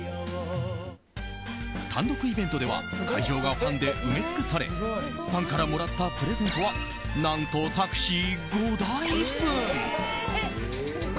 単独イベントでは会場がファンで埋め尽くされファンからもらったプレゼントは何とタクシー５台分。